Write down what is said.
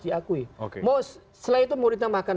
diakui selain itu mau ditambahkan